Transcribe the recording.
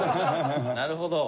なるほど。